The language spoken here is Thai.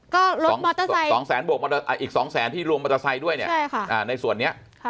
ก็ลดมอเตอร์ไซค์อีกสองแสนที่รวมมอเตอร์ไซค์ด้วยเนี่ยใช่ค่ะอ่าในส่วนนี้